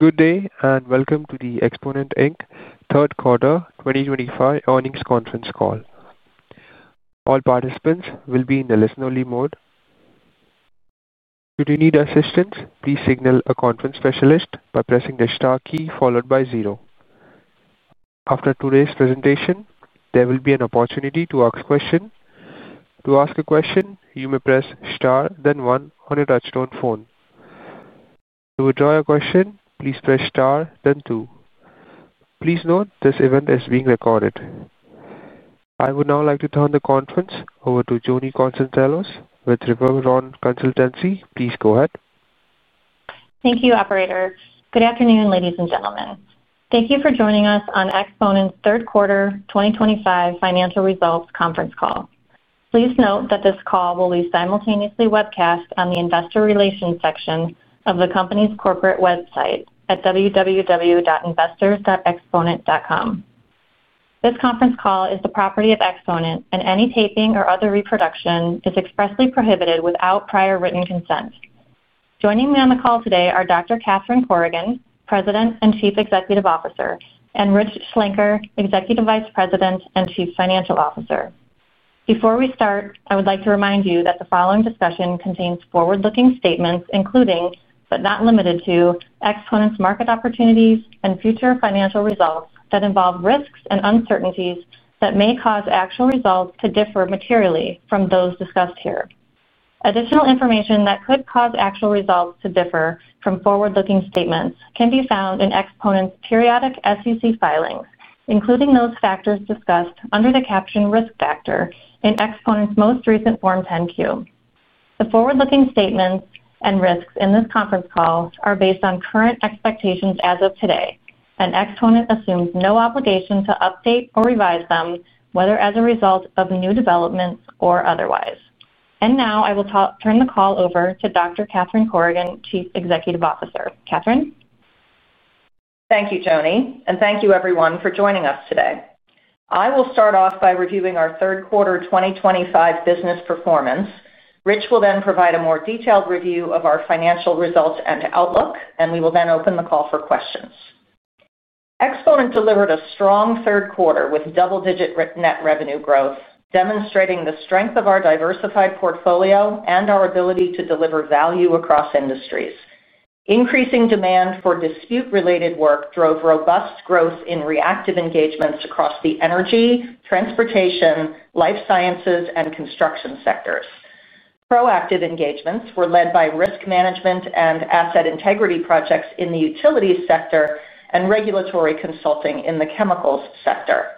Good day and welcome to the Exponent, Inc. third quarter 2025 earnings conference call. All participants will be in the listen-only mode. Should you need assistance, please signal a conference specialist by pressing the star key followed by zero. After today's presentation, there will be an opportunity to ask a question. To ask a question, you may press star then one on a touch-tone phone. To withdraw your question, please press star then two. Please note this event is being recorded. I would now like to turn the conference over to Joni Konstantelos with Riveron Consultancy. Please go ahead. Thank you, Operator. Good afternoon, ladies and gentlemen. Thank you for joining us on Exponent's third quarter 2025 financial results conference call. Please note that this call will be simultaneously webcast on the investor relations section of the company's corporate website at www.investors.exponent.com. This conference call is the property of Exponent, and any taping or other reproduction is expressly prohibited without prior written consent. Joining me on the call today are Dr. Catherine Corrigan, President and Chief Executive Officer, and Rich Schlenker, Executive Vice President and Chief Financial Officer. Before we start, I would like to remind you that the following discussion contains forward-looking statements including, but not limited to, Exponent's market opportunities and future financial results that involve risks and uncertainties that may cause actual results to differ materially from those discussed here. Additional information that could cause actual results to differ from forward-looking statements can be found in Exponent's periodic SEC filings, including those factors discussed under the caption risk factor in Exponent's most recent Form 10-Q. The forward-looking statements and risks in this conference call are based on current expectations as of today, and Exponent assumes no obligation to update or revise them, whether as a result of new developments or otherwise. I will turn the call over to Dr. Catherine Corrigan, Chief Executive Officer. Catherine. Thank you, Joni, and thank you everyone for joining us today. I will start off by reviewing our third quarter 2025 business performance. Rich will then provide a more detailed review of our financial results and outlook, and we will then open the call for questions. Exponent delivered a strong third quarter with double-digit net revenue growth, demonstrating the strength of our diversified portfolio and our ability to deliver value across industries. Increasing demand for dispute-related work drove robust growth in reactive engagements across the energy, transportation, life sciences, and construction sectors. Proactive engagements were led by risk management and asset integrity projects in the utilities sector and regulatory consulting in the chemicals sector.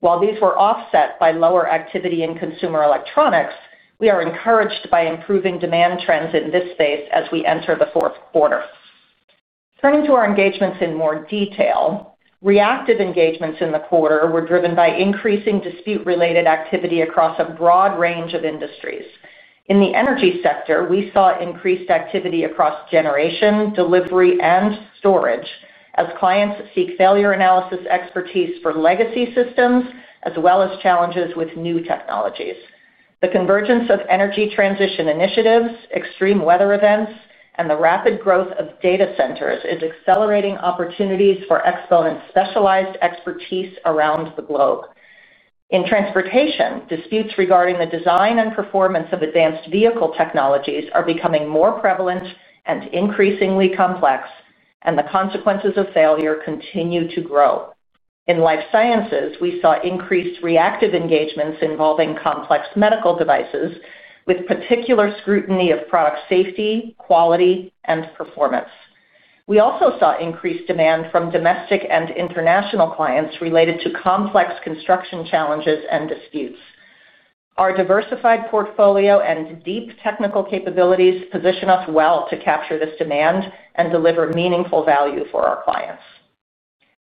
While these were offset by lower activity in consumer electronics, we are encouraged by improving demand trends in this space as we enter the fourth quarter. Turning to our engagements in more detail, reactive engagements in the Quarter were driven by increasing dispute-related activity across a broad range of industries. In the energy sector, we saw increased activity across generation, delivery, and storage as clients seek failure analysis expertise for legacy systems as well as challenges with new technologies. The convergence of energy transition initiatives, extreme weather events, and the rapid growth of data centers is accelerating opportunities for Exponent's specialized expertise around the globe. In transportation, disputes regarding the design and performance of advanced vehicle technologies are becoming more prevalent and increasingly complex, and the consequences of failure continue to grow. In life sciences, we saw increased reactive engagements involving complex medical devices with particular scrutiny of product safety, quality, and performance. We also saw increased demand from domestic and international clients related to complex construction challenges and disputes. Our diversified portfolio and deep technical capabilities position us well to capture this demand and deliver meaningful value for our clients.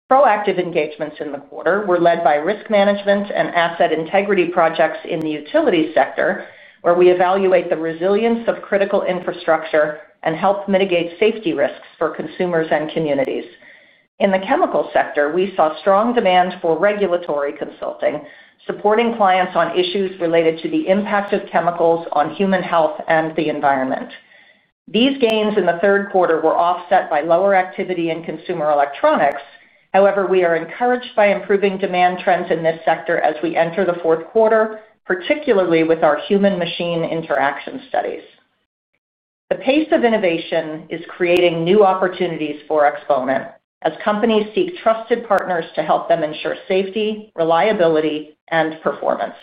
Proactive engagements in the Quarter were led by risk management and asset integrity projects in the utility sector, where we evaluate the resilience of critical infrastructure and help mitigate safety risks for consumers and communities. In the chemical sector, we saw strong demand for regulatory consulting, supporting clients on issues related to the impact of chemicals on human health and the environment. These gains in the third quarter were offset by lower activity in consumer electronics. However, we are encouraged by improving demand trends in this sector as we enter the fourth quarter, particularly with our human-machine interaction studies. The pace of innovation is creating new opportunities for Exponent as companies seek trusted partners to help them ensure safety, reliability, and performance.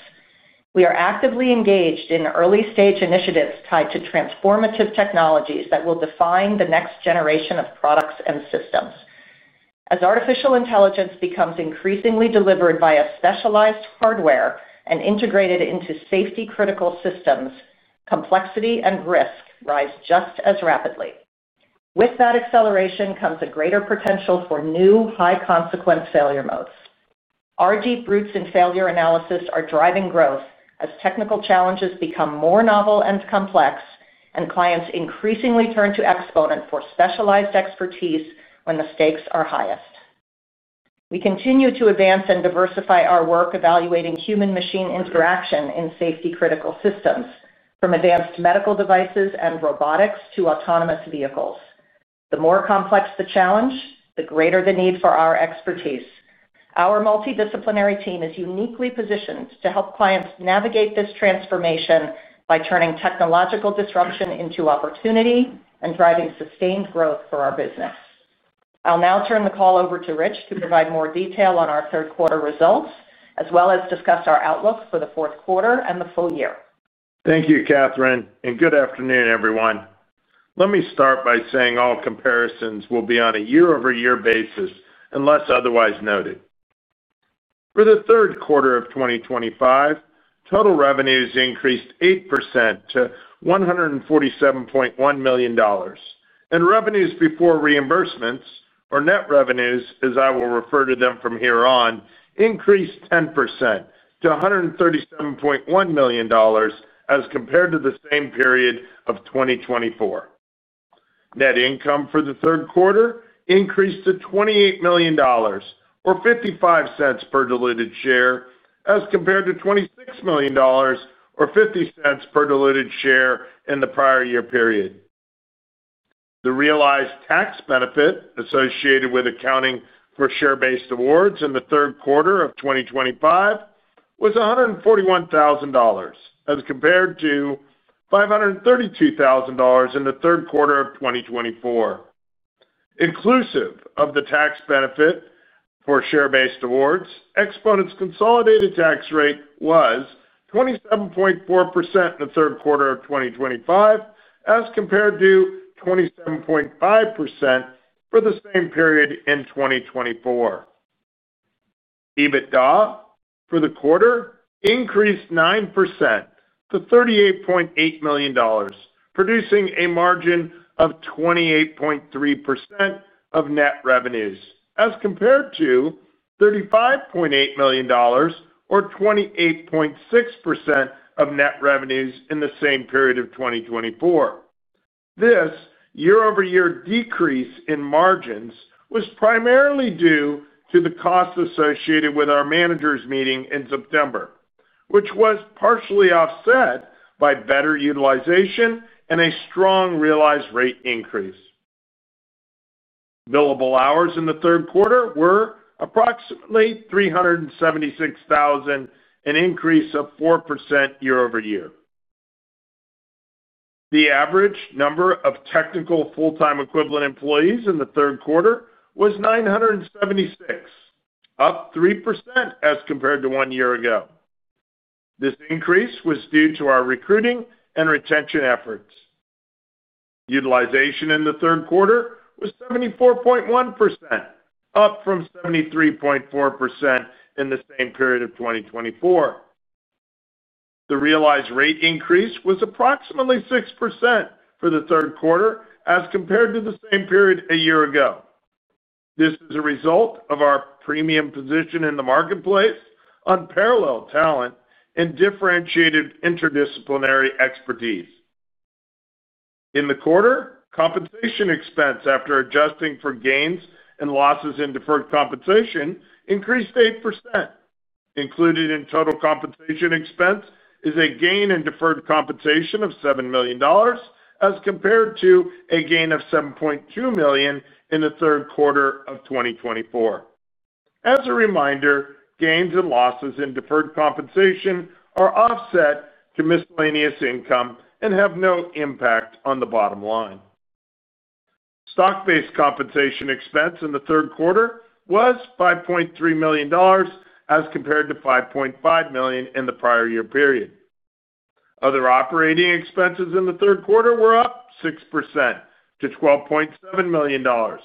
We are actively engaged in early-stage initiatives tied to transformative technologies that will define the next generation of products and systems. As artificial intelligence becomes increasingly delivered via specialized hardware and integrated into safety-critical systems, complexity and risk rise just as rapidly. With that acceleration comes a greater potential for new high-consequence failure modes. Our deep roots in failure analysis are driving growth as technical challenges become more novel and complex, and clients increasingly turn to Exponent for specialized expertise when the stakes are highest. We continue to advance and diversify our work evaluating human-machine interaction in safety-critical systems, from advanced medical devices and robotics to autonomous vehicles. The more complex the challenge, the greater the need for our expertise. Our multidisciplinary team is uniquely positioned to help clients navigate this transformation by turning technological disruption into opportunity and driving sustained growth for our business. I'll now turn the call over to Rich to provide more detail on our third quarter results, as well as discuss our outlook for the fourth quarter and the full year. Thank you, Catherine, and good afternoon, everyone. Let me start by saying all comparisons will be on a year-over-year basis unless otherwise noted. For the third quarter of 2025, total revenues increased 8% to $147.1 million, and revenues before reimbursements, or net revenues as I will refer to them from here on, increased 10% to $137.1 million as compared to the same period of 2024. Net income for the third quarter increased to $28 million, or $0.55 per diluted share, as compared to $26 million, or $0.50 per diluted share in the prior year period. The realized tax benefit associated with accounting for share-based awards in the third quarter of 2025 was $141,000 as compared to $532,000 in the third quarter of 2024. Inclusive of the tax benefit for share-based awards, Exponent's consolidated tax rate was 27.4% in the third quarter of 2025 as compared to 27.5% for the same period in 2024. EBITDA for the quarter increased 9% to $38.8 million, producing a margin of 28.3% of net revenues as compared to $35.8 million, or 28.6% of net revenues in the same period of 2024. This year-over-year decrease in margins was primarily due to the cost associated with our managers' meeting in September, which was partially offset by better utilization and a strong realized rate increase. Billable hours in the third quarter were approximately 376,000, an increase of 4% year-over-year. The average number of technical full-time equivalent employees in the third quarter was 976, up 3% as compared to one year ago. This increase was due to our recruiting and retention efforts. Utilization in the third quarter was 74.1%, up from 73.4% in the same period of 2024. The realized rate increase was approximately 6% for the third quarter as compared to the same period a year ago. This is a result of our premium position in the marketplace on parallel talent and differentiated interdisciplinary expertise. In the Quarter, compensation expense after adjusting for gains and losses in deferred compensation increased 8%. Included in total compensation expense is a gain in deferred compensation of $7 million as compared to a gain of $7.2 million in the third quarter of 2024. As a reminder, gains and losses in deferred compensation are offset to miscellaneous income and have no impact on the bottom line. Stock-based compensation expense in the third quarter was $5.3 million as compared to $5.5 million in the prior year period. Other operating expenses in the third quarter were up 6% to $12.7 million.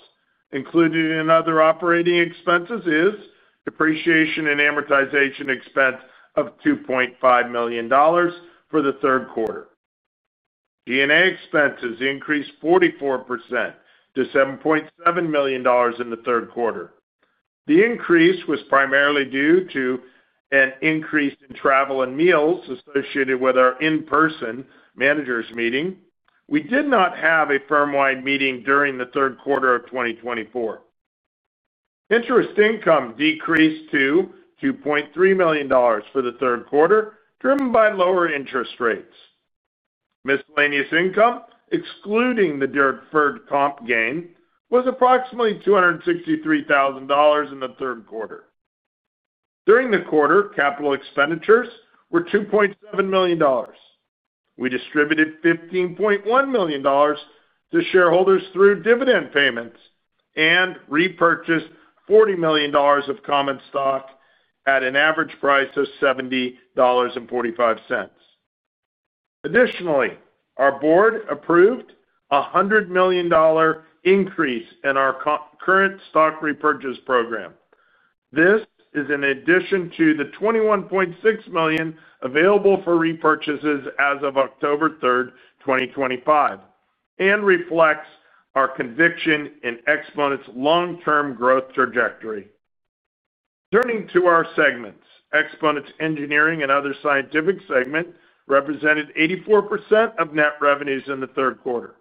Included in other operating expenses is depreciation and amortization expense of $2.5 million for the third quarter. D&A expenses increased 44% to $7.7 million in the third quarter. The increase was primarily due to an increase in travel and meals associated with our in-person managers' meeting. We did not have a firm-wide meeting during the third quarter of 2024. Interest income decreased to $2.3 million for the third quarter, driven by lower interest rates. Miscellaneous income, excluding the deferred comp gain, was approximately $263,000 in the third quarter. During the Quarter, capital expenditures were $2.7 million. We distributed $15.1 million to shareholders through dividend payments and repurchased $40 million of common stock at an average price of $70.45. Additionally, our board approved a $100 million increase in our current stock repurchase program. This is in addition to the $21.6 million available for repurchases as of October 3, 2025, and reflects our conviction in Exponent's long-term growth trajectory. Turning to our segments, Exponent's engineering and other scientific segment represented 84% of net revenues in the third quarter.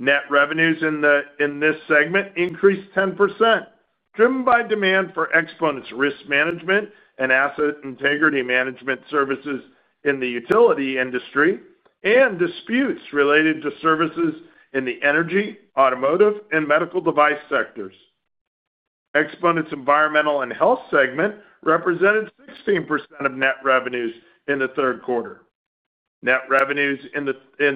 Net revenues in this segment increased 10%, driven by demand for Exponent's risk management and asset integrity management services in the utility industry and disputes related to services in the energy, automotive, and medical device sectors. Exponent's environmental and health segment represented 16% of net revenues in the third quarter. Net revenues in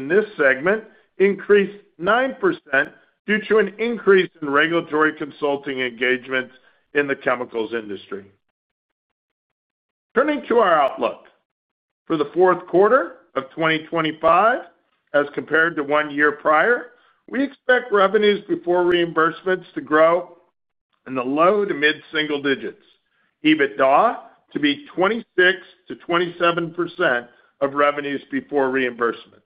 this segment increased 9% due to an increase in regulatory consulting engagements in the chemicals industry. Turning to our outlook for the fourth quarter of 2025 as compared to one year prior, we expect revenues before reimbursements to grow in the low to mid-single digits, EBITDA to be 26%-27% of revenues before reimbursements.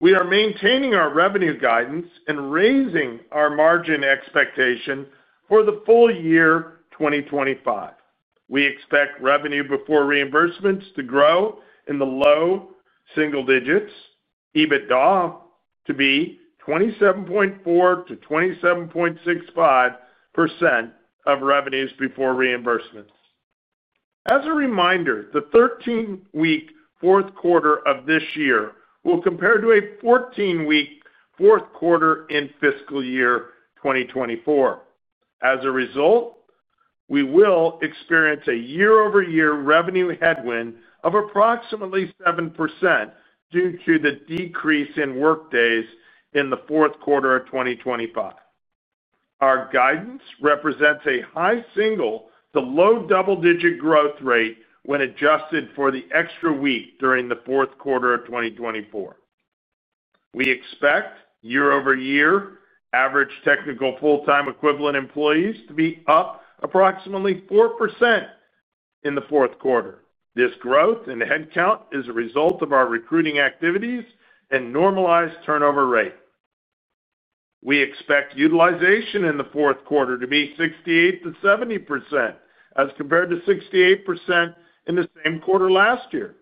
We are maintaining our revenue guidance and raising our margin expectation for the full year 2025. We expect revenue before reimbursements to grow in the low single digits, EBITDA to be 27.4%-27.65% of revenues before reimbursements. As a reminder, the 13-week fourth quarter of this year will compare to a 14-week fourth quarter in fiscal year 2024. As a result, we will experience a year-over-year revenue headwind of approximately 7% due to the decrease in workdays in the fourth quarter of 2025. Our guidance represents a high single to low double-digit growth rate when adjusted for the extra week during the fourth quarter of 2024. We expect year-over-year average technical full-time equivalent employees to be up approximately 4% in the fourth quarter. This growth in headcount is a result of our recruiting activities and normalized turnover rate. We expect utilization in the fourth quarter to be 68%-70% as compared to 68% in the same quarter last year.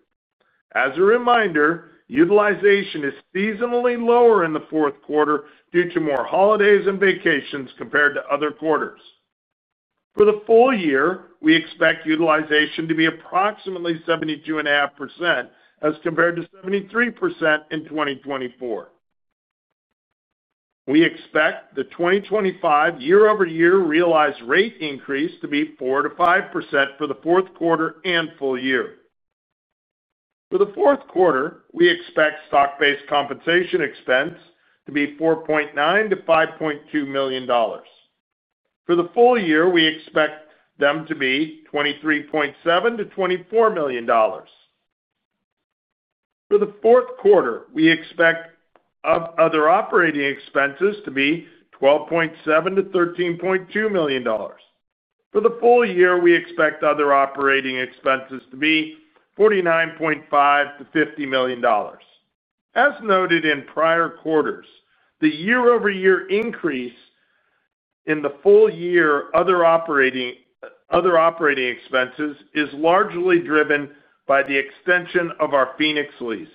As a reminder, utilization is seasonally lower in the fourth quarter due to more holidays and vacations compared to other quarters. For the full year, we expect utilization to be approximately 72.5% as compared to 73% in 2024. We expect the 2025 year-over-year realized rate increase to be 4%-5% for the fourth quarter and full year. For the fourth quarter, we expect stock-based compensation expense to be $4.9 million-$5.2 million. For the full year, we expect them to be $23.7 million-$24 million. For the fourth quarter, we expect other operating expenses to be $12.7 million-$13.2 million. For the full year, we expect other operating expenses to be $49.5 million-$50 million. As noted in prior quarters, the year-over-year increase in the full year other operating expenses is largely driven by the extension of our Phoenix lease.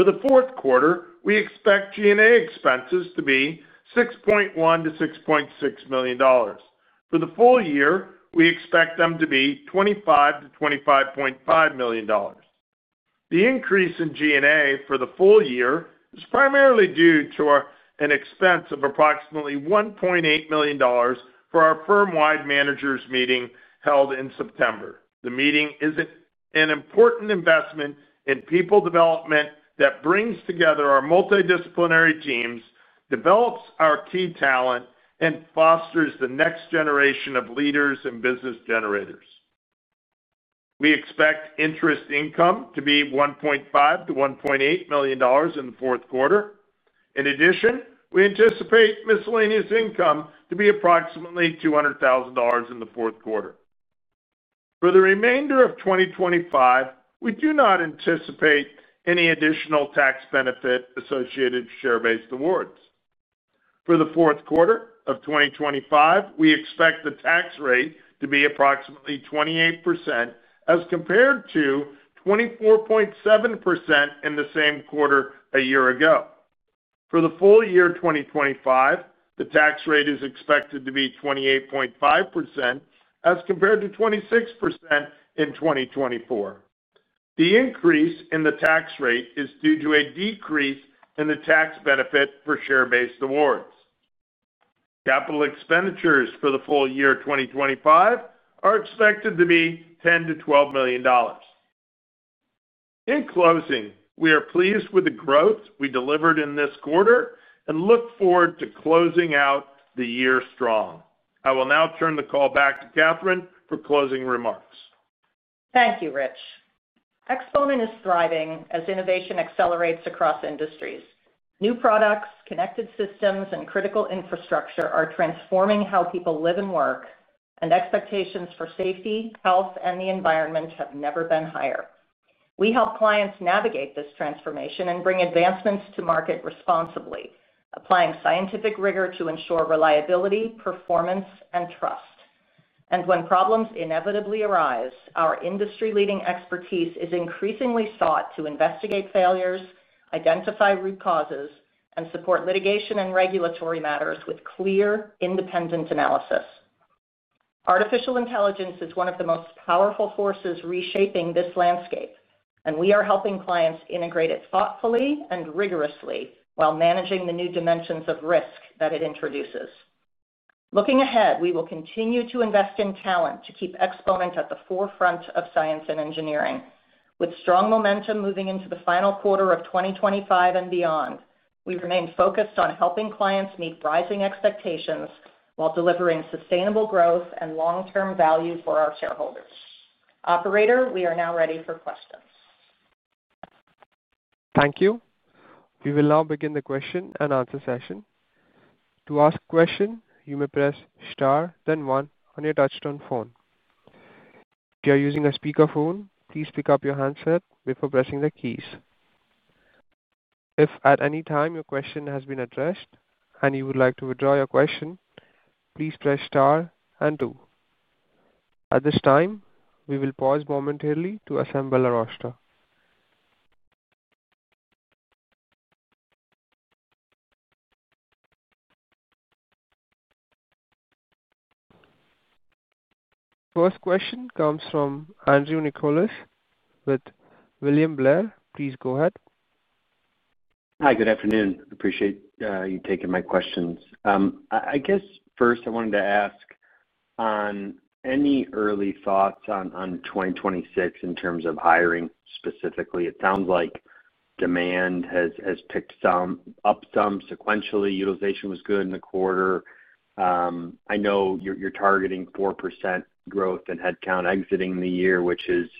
For the fourth quarter, we expect G&A expenses to be $6.1 million-$6.6 million. For the full year, we expect them to be $25 million-$25.5 million. The increase in G&A for the full year is primarily due to an expense of approximately $1.8 million for our firm-wide managers' meeting held in September. The meeting is an important investment in people development that brings together our multidisciplinary teams, develops our key talent, and fosters the next generation of leaders and business generators. We expect interest income to be $1.5 million-$1.8 million in the fourth quarter. In addition, we anticipate miscellaneous income to be approximately $200,000 in the fourth quarter. For the remainder of 2025, we do not anticipate any additional tax benefit associated with share-based awards. For the fourth quarter of 2025, we expect the tax rate to be approximately 28% as compared to 24.7% in the same Quarter a year ago. For the full year 2025, the tax rate is expected to be 28.5% as compared to 26% in 2024. The increase in the tax rate is due to a decrease in the tax benefit for share-based awards. Capital expenditures for the full year 2025 are expected to be $10 million-$12 million. In closing, we are pleased with the growth we delivered in this Quarter and look forward to closing out the year strong. I will now turn the call back to Catherine for closing remarks. Thank you, Rich. Exponent is thriving as innovation accelerates across industries. New products, connected systems, and critical infrastructure are transforming how people live and work, and expectations for safety, health, and the environment have never been higher. We help clients navigate this transformation and bring advancements to market responsibly, applying scientific rigor to ensure reliability, performance, and trust. When problems inevitably arise, our industry-leading expertise is increasingly sought to investigate failures, identify root causes, and support litigation and regulatory matters with clear, independent analysis. Artificial intelligence is one of the most powerful forces reshaping this landscape, and we are helping clients integrate it thoughtfully and rigorously while managing the new dimensions of risk that it introduces. Looking ahead, we will continue to invest in talent to keep Exponent at the forefront of science and engineering. With strong momentum moving into the final quarter of 2025 and beyond, we remain focused on helping clients meet rising expectations while delivering sustainable growth and long-term value for our shareholders. Operator, we are now ready for questions. Thank you. We will now begin the question and answer session. To ask a question, you may press star, then one on your touch-tone phone. If you are using a speakerphone, please pick up your handset before pressing the keys. If at any time your question has been addressed and you would like to withdraw your question, please press star and two. At this time, we will pause momentarily to assemble our roster. The first question comes from Andrew Nicholas with William Blair. Please go ahead. Hi, good afternoon. Appreciate you taking my questions. I guess first I wanted to ask on any early thoughts on 2026 in terms of hiring specifically. It sounds like demand has picked up some sequentially. Utilization was good in the quarter. I know you're targeting 4% growth in headcount exiting the year, which is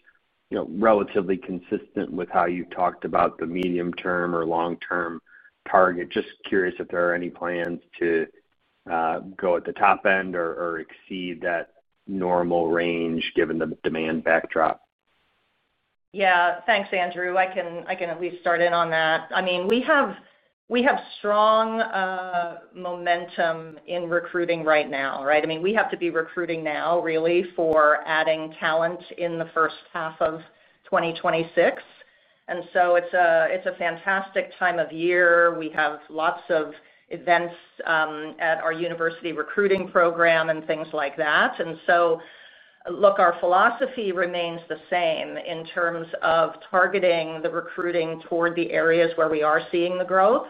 relatively consistent with how you talked about the medium-term or long-term target. Just curious if there are any plans to go at the top end or exceed that normal range given the demand backdrop. Yeah, thanks, Andrew. I can at least start in on that. I mean, we have strong momentum in recruiting right now, right? I mean, we have to be recruiting now really for adding talent in the first half of 2026. It's a fantastic time of year. We have lots of events at our university recruiting program and things like that. Our philosophy remains the same in terms of targeting the recruiting toward the areas where we are seeing the growth.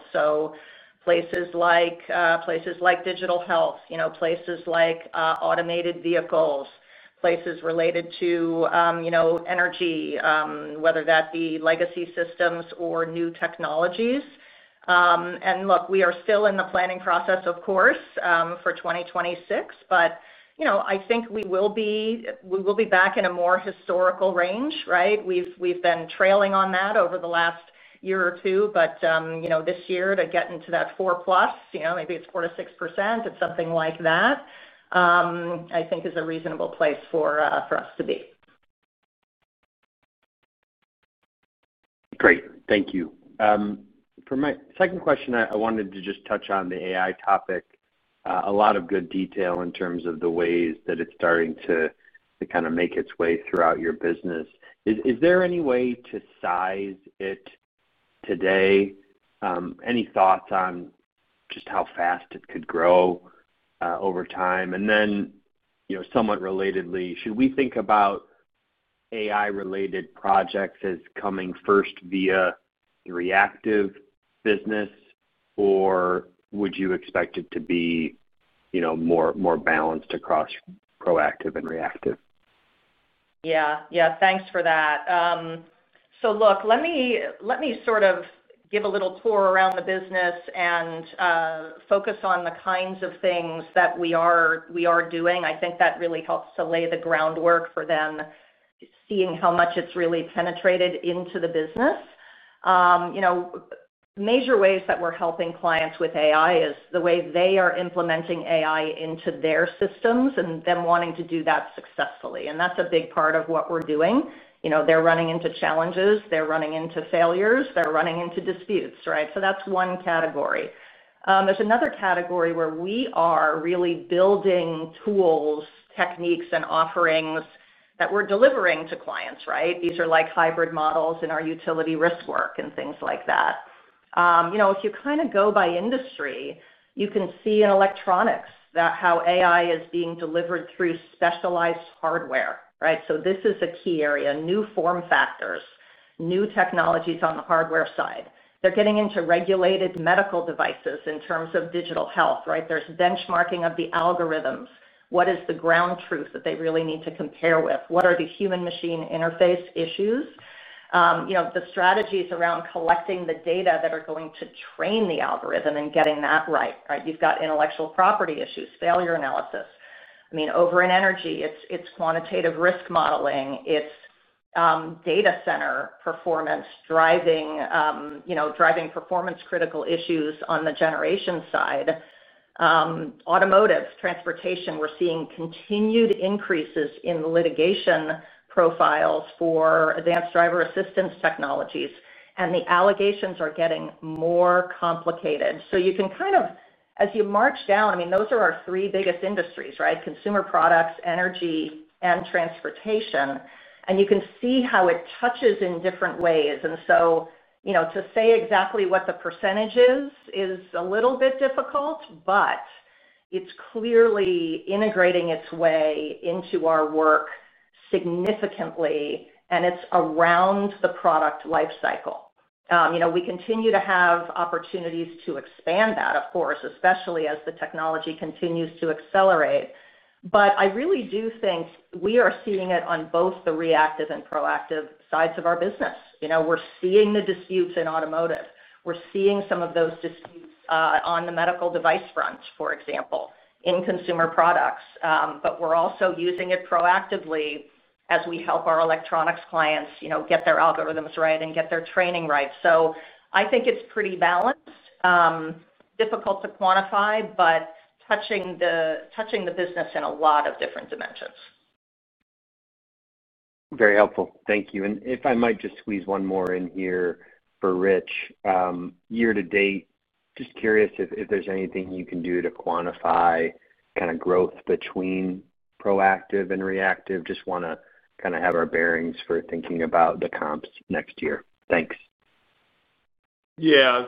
Places like digital health, places like autonomous vehicles, places related to energy, whether that be legacy systems or new technologies. We are still in the planning process, of course, for 2026, but I think we will be back in a more historical range, right? We've been trailing on that over the last year or two, but this year to get into that 4+, maybe it's 4%-6%, it's something like that. I think is a reasonable place for us to be. Great. Thank you. For my second question, I wanted to just touch on the AI topic. A lot of good detail in terms of the ways that it's starting to kind of make its way throughout your business. Is there any way to size it today? Any thoughts on just how fast it could grow over time? Somewhat relatedly, should we think about AI-related projects as coming first via the reactive business, or would you expect it to be more balanced across proactive and reactive? Yeah, yeah. Thanks for that. Let me sort of give a little tour around the business and focus on the kinds of things that we are doing. I think that really helps to lay the groundwork for them, seeing how much it's really penetrated into the business. Major ways that we're helping clients with AI is the way they are implementing AI into their systems and them wanting to do that successfully. That's a big part of what we're doing. They're running into challenges. They're running into failures. They're running into disputes, right? That's one category. There's another category where we are really building tools, techniques, and offerings that we're delivering to clients, right? These are like hybrid models in our utility risk work and things like that. If you kind of go by industry, you can see in electronics how AI is being delivered through specialized hardware, right? This is a key area. New form factors, new technologies on the hardware side. They're getting into regulated medical devices in terms of digital health, right? There's benchmarking of the algorithms. What is the ground truth that they really need to compare with? What are the human-machine interface issues? The strategies around collecting the data that are going to train the algorithm and getting that right, right? You've got intellectual property issues, failure analysis. I mean, over in energy, it's quantitative risk modeling. It's data center performance, driving performance-critical issues on the generation side. Automotive, transportation, we're seeing continued increases in litigation profiles for advanced driver assistance technologies, and the allegations are getting more complicated. You can kind of, as you march down, I mean, those are our three biggest industries, right? Consumer products, energy, and transportation. You can see how it touches in different ways. To say exactly what the percentage is, is a little bit difficult, but it's clearly integrating its way into our work significantly, and it's around the product lifecycle. We continue to have opportunities to expand that, of course, especially as the technology continues to accelerate. I really do think we are seeing it on both the reactive and proactive sides of our business. We're seeing the disputes in automotive. We're seeing some of those disputes on the medical device front, for example, in consumer products. We're also using it proactively as we help our electronics clients get their algorithms right and get their training right. I think it's pretty balanced. Difficult to quantify, but touching the business in a lot of different dimensions. Very helpful. Thank you. If I might just squeeze one more in here for Rich. Year to date, just curious if there's anything you can do to quantify kind of growth between proactive and reactive. Just want to kind of have our bearings for thinking about the comps next year. Thanks. Yeah.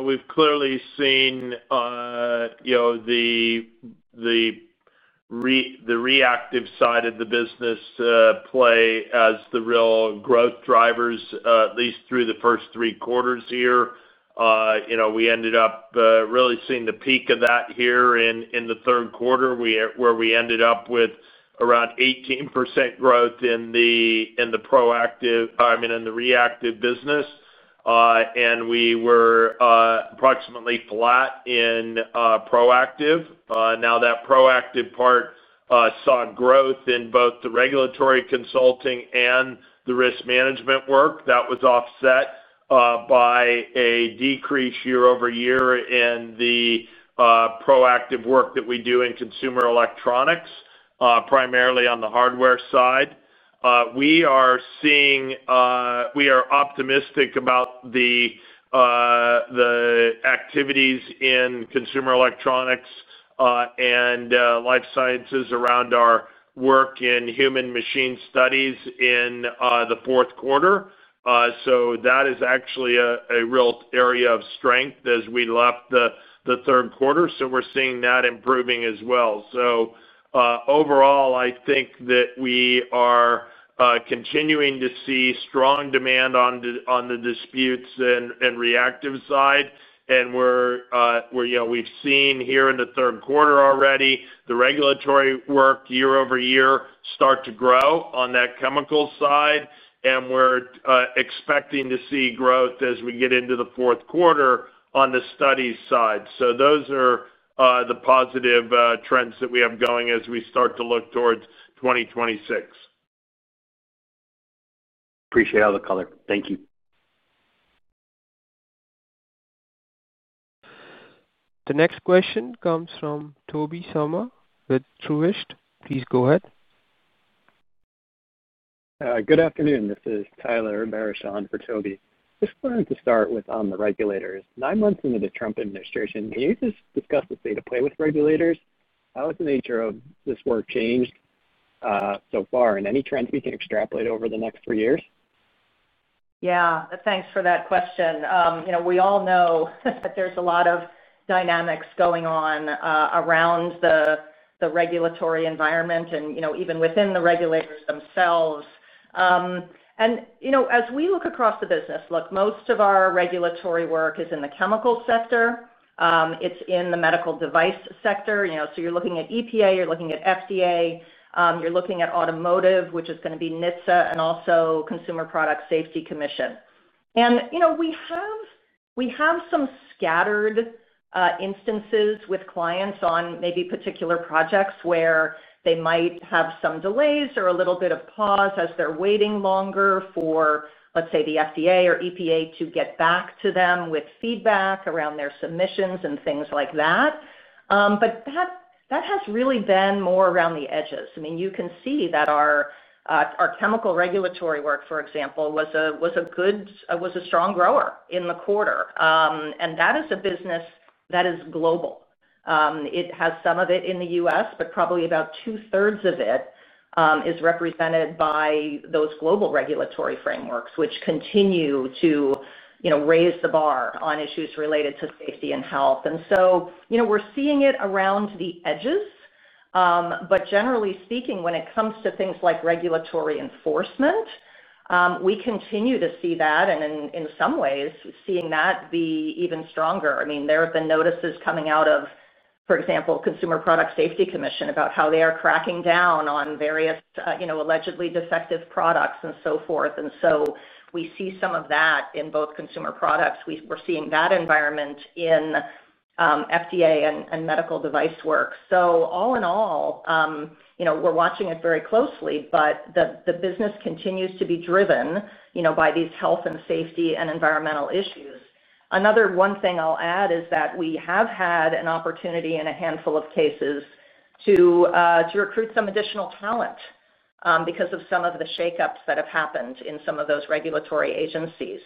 We've clearly seen the reactive side of the business play as the real growth drivers, at least through the first three quarters here. We ended up really seeing the peak of that here in the third quarter, where we ended up with around 18% growth in the reactive business. We were approximately flat in proactive. Now, that proactive part saw growth in both the regulatory consulting and the risk management work. That was offset by a decrease year-over-year in the proactive work that we do in consumer electronics, primarily on the hardware side. We are optimistic about the activities in consumer electronics. Life sciences around our work in human-machine studies in the fourth quarter is actually a real area of strength as we left the third quarter. We are seeing that improving as well. Overall, I think that we are continuing to see strong demand on the disputes and reactive side. We have seen here in the third quarter already the regulatory work year-over-year start to grow on that chemical side. We are expecting to see growth as we get into the fourth quarter on the studies side. Those are the positive trends that we have going as we start to look towards 2026. Appreciate all the color. Thank you. The next question comes from Tobey Sommer with Truist Securities. Please go ahead. Good afternoon. This is Tyler Barishaw for Toby. Just wanted to start with the regulators. Nine months into the Trump administration, can you discuss the state of play with regulators? How has the nature of this work changed so far, and any trends we can extrapolate over the next three years? Thanks for that question. We all know that there are a lot of dynamics going on around the regulatory environment and even within the regulators themselves. As we look across the business, most of our regulatory work is in the chemical sector and in the advanced medical devices sector. You are looking at EPA, FDA, automotive, which is going to be NHTSA, and also Consumer Product Safety Commission. We have some scattered instances with clients on particular projects where they might have some delays or a little bit of pause as they are waiting longer for, let's say, the FDA or EPA to get back to them with feedback around their submissions and things like that. That has really been more around the edges. Our chemical regulatory work, for example, was a strong grower in the quarter. That is a business that is global. It has some of it in the U.S., but probably about two-thirds of it is represented by those global regulatory frameworks, which continue to raise the bar on issues related to safety and health. We are seeing it around the edges, but generally speaking, when it comes to things like regulatory enforcement, we continue to see that. In some ways, we are seeing that be even stronger. There have been notices coming out of, for example, Consumer Product Safety Commission about how they are cracking down on various allegedly defective products and so forth. We see some of that in both consumer products. We're seeing that environment in FDA and medical device work. All in all, we're watching it very closely, but the business continues to be driven by these health and safety and environmental issues. Another thing I'll add is that we have had an opportunity in a handful of cases to recruit some additional talent because of some of the shakeups that have happened in some of those regulatory agencies.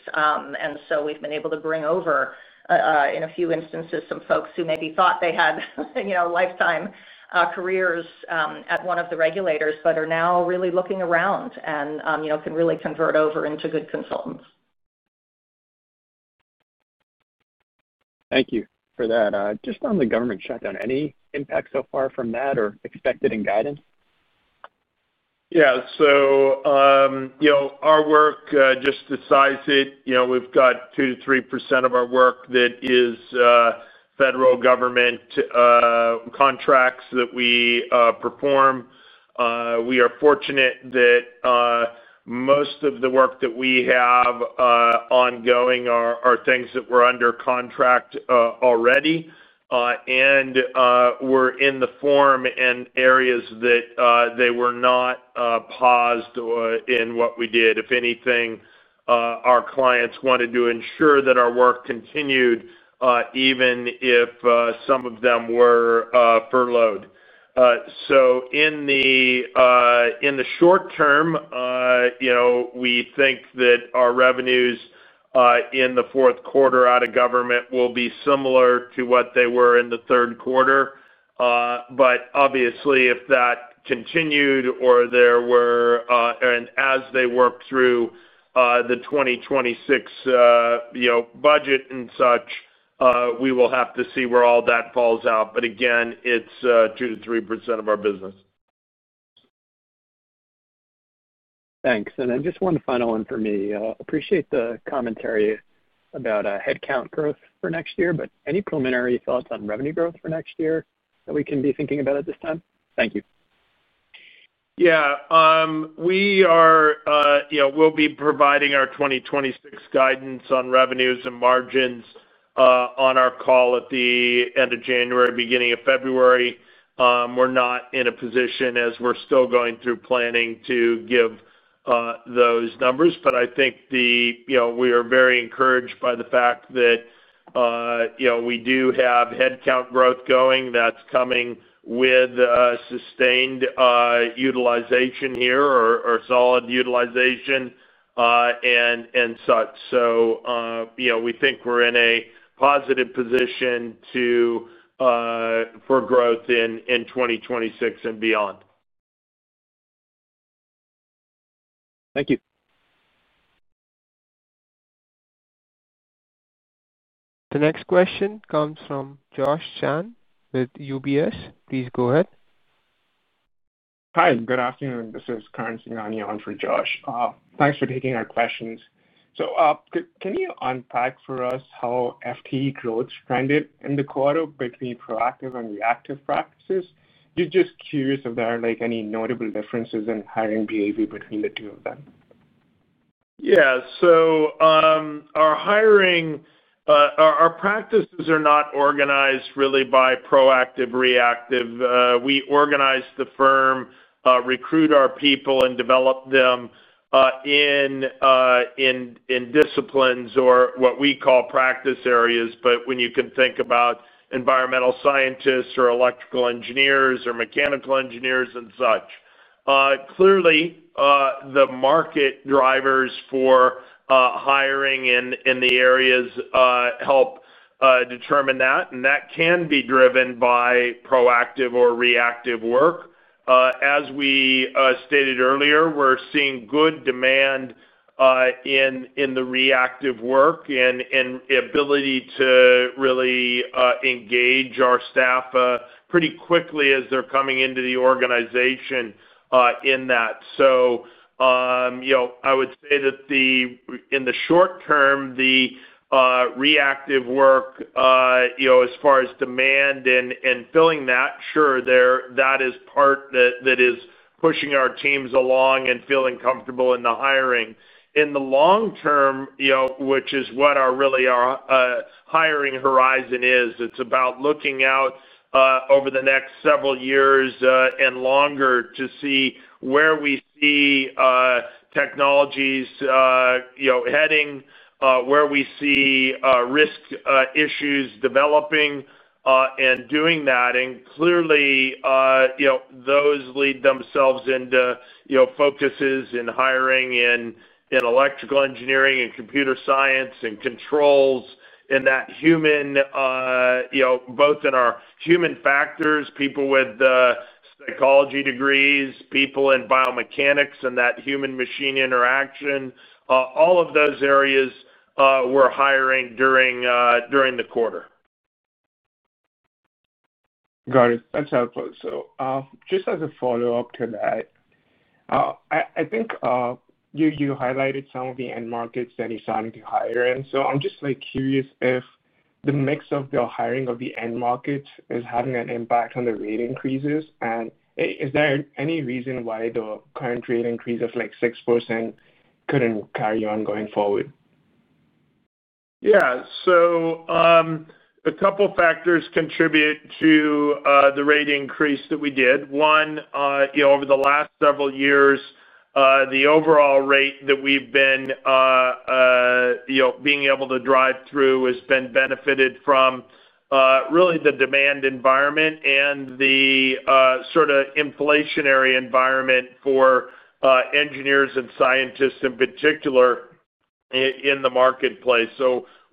We've been able to bring over, in a few instances, some folks who maybe thought they had lifetime careers at one of the regulators but are now really looking around and can really convert over into good consultants. Thank you for that. Just on the government shutdown, any impact so far from that or expected in guidance? Yeah. Our work just decides it. We've got 2%-3% of our work that is federal government contracts that we perform. We are fortunate that most of the work that we have ongoing are things that were under contract already and were in the form and areas that they were not paused in what we did. If anything, our clients wanted to ensure that our work continued even if some of them were furloughed. In the short term, we think that our revenues in the fourth quarter out of government will be similar to what they were in the third quarter. Obviously, if that continued or as they work through the 2026 budget and such, we will have to see where all that falls out. Again, it's 2%-3% of our business. Thanks. And then just one final one for me. Appreciate the commentary about headcount growth for next year, but any preliminary thoughts on revenue growth for next year that we can be thinking about at this time? Thank you. Yeah. We will be providing our 2026 guidance on revenues and margins on our call at the end of January, beginning of February. We're not in a position, as we're still going through planning, to give those numbers. I think we are very encouraged by the fact that we do have headcount growth going that's coming with sustained utilization here or solid utilization and such. We think we're in a positive position for growth in 2026 and beyond. Thank you. The next question comes from Josh Chan with UBS. Please go ahead. Hi. Good afternoon. This is Karandeep Singhania for Josh. Thanks for taking our questions. Can you unpack for us how FTE growth trended in the quarter between proactive and reactive practices? Just curious if there are any notable differences in hiring behavior between the two of them. Our hiring practices are not organized really by proactive, reactive. We organize the firm, recruit our people, and develop them in disciplines or what we call practice areas, but you can think about environmental scientists or electrical engineers or mechanical engineers and such. Clearly, the market drivers for hiring in the areas help determine that, and that can be driven by proactive or reactive work. As we stated earlier, we're seeing good demand in the reactive work and ability to really engage our staff pretty quickly as they're coming into the organization in that. I would say that in the short term, the reactive work, as far as demand and filling that, sure, that is part that is pushing our teams along and feeling comfortable in the hiring. In the long term, which is what really our hiring horizon is, it's about looking out over the next several years and longer to see where we see technologies heading, where we see risk issues developing, and doing that. Clearly, those lead themselves into focuses in hiring in electrical engineering and computer science and controls in that human, both in our human factors, people with psychology degrees, people in biomechanics, and that human-machine interaction. All of those areas we're hiring during the quarter. Got it. That's helpful. Just as a follow-up to that, I think you highlighted some of the end markets that you're starting to hire in. I'm just curious if the mix of the hiring of the end markets is having an impact on the rate increases. Is there any reason why the current rate increase of 6% couldn't carry on going forward? A couple of factors contribute to the rate increase that we did. One, over the last several years, the overall rate that we've been able to drive through has been benefited from really the demand environment and the sort of inflationary environment for engineers and scientists in particular in the marketplace.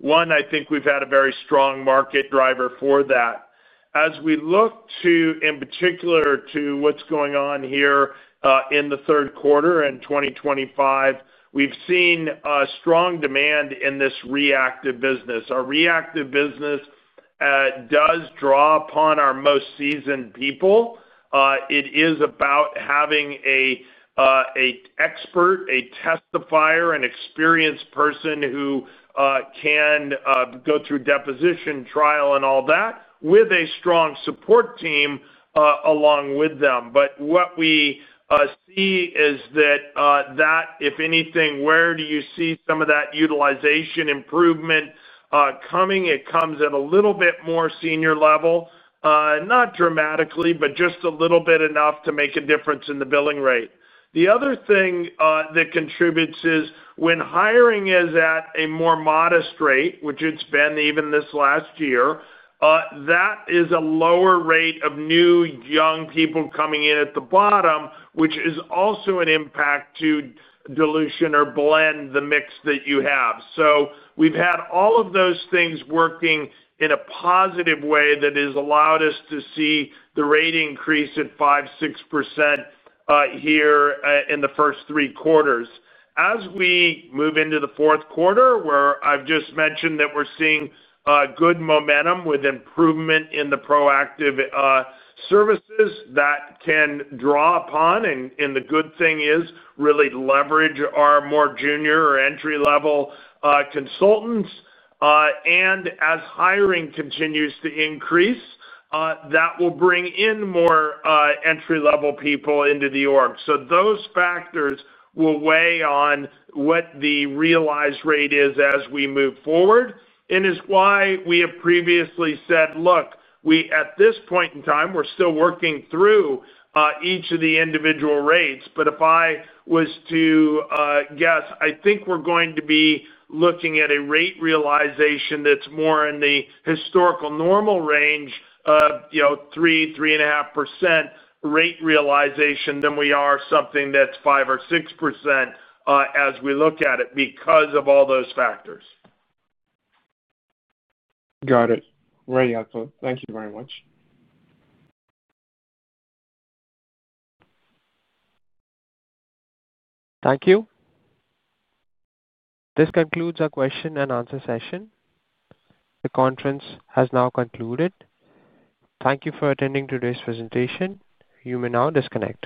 I think we've had a very strong market driver for that. As we look to, in particular, what's going on here in the third quarter in 2025, we've seen strong demand in this reactive business. Our reactive business does draw upon our most seasoned people. It is about having an expert, a testifier, an experienced person who. Can go through deposition, trial, and all that with a strong support team along with them. What we see is that, if anything, where do you see some of that utilization improvement coming? It comes at a little bit more senior level, not dramatically, but just a little bit, enough to make a difference in the billing rate. The other thing that contributes is when hiring is at a more modest rate, which it's been even this last year, that is a lower rate of new young people coming in at the bottom, which is also an impact to dilution or blend the mix that you have. We've had all of those things working in a positive way that has allowed us to see the rate increase at 5%, 6% here in the first three quarters. As we move into the fourth quarter, where I've just mentioned that we're seeing good momentum with improvement in the proactive services that can draw upon, the good thing is really leverage our more junior or entry-level consultants. As hiring continues to increase, that will bring in more entry-level people into the org. Those factors will weigh on what the realized rate is as we move forward. It's why we have previously said, "Look, at this point in time, we're still working through each of the individual rates." If I was to guess, I think we're going to be looking at a rate realization that's more in the historical normal range of 3%, 3.5% rate realization than we are something that's 5% or 6% as we look at it because of all those factors. Got it. Very helpful. Thank you very much. Thank you. This concludes our question and answer session. The conference has now concluded. Thank you for attending today's presentation. You may now disconnect.